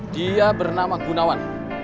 dia bernama gunawan